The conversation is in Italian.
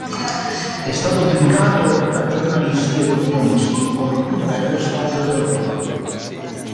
È stato giudicato da giornalisti ed opinionisti come il più bello stadio d'Europa.